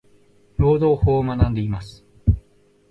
労働法を学んでいます。。